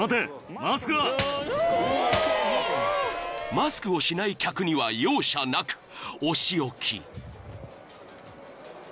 ［マスクをしない客には容赦なくお仕置き］